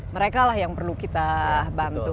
mereka lah yang perlu kita bantu